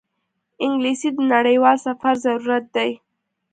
انګلیسي د نړیوال سفر ضرورت دی